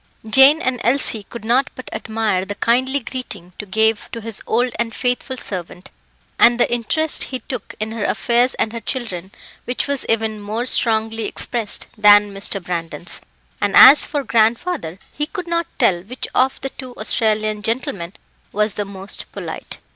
Jane and Elsie could not but admire the kindly greeting to gave to his old and faithful servant, and the interest he took in her affairs and her children, which was even more strongly expressed than Mr. Brandon's; and as for grandfather, he could not tell which of the two Australian gentlemen was the most polite.